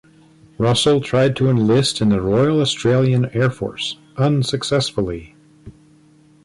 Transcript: Russell tried to enlist in the Royal Australian Air Force, unsuccessfully.